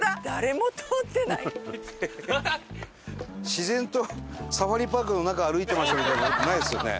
自然とサファリパークの中歩いてましたみたいな事ないですよね？